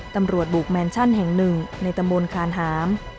ตำรวจบุกแมนชั่นแห่งหนึ่งในตำบลคานหาม